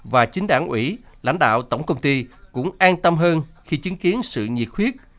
và chính đảng ủy lãnh đạo tổng công ty cũng an tâm hơn khi chứng kiến sự nhiệt khuyết